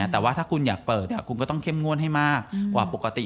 แต่ว่าถ้าคุณอยากเปิดคุณก็ต้องเข้มงวดให้มากกว่าปกติ